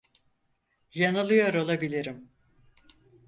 Yanılıyor olabilirim.